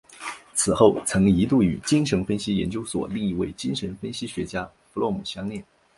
此后曾一度与精神分析研究所另一位精神分析学家弗洛姆相恋。